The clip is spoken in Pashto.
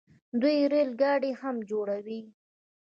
دوی ریل ګاډي هم جوړوي.